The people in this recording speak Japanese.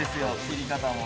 切り方も。